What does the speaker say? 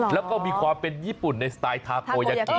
แล้วก็มีความเป็นญี่ปุ่นในสไตล์ทาโกยากิ